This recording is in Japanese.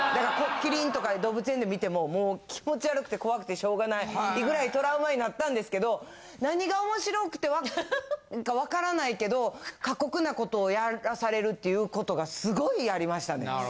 キリンとか動物園で見ても気持ち悪くて怖くてしょうがないぐらいトラウマになったんですけど何がおもしろくてか分からないけど過酷なことをやらされるっていうことがすごいありましたね。